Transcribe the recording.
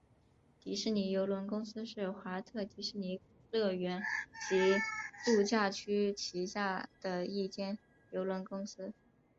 迪士尼邮轮公司是华特迪士尼乐园及度假区旗下的一间邮轮公司。